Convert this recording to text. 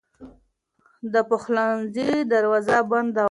د پخلنځي دروازه بنده وه.